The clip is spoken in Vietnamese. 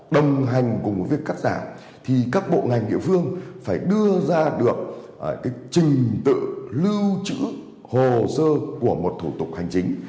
đồng hành cùng với việc cắt giảm thì các bộ ngành địa phương phải đưa ra được trình tự lưu trữ hồ sơ của một thủ tục hành chính